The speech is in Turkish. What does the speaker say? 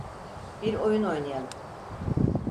Bir oyun oynayalım.